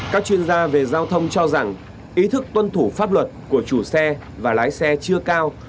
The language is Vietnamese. các chuyên gia về giao thông cho rằng ý thức tuân thủ pháp luật của chủ xe và lái xe chưa cao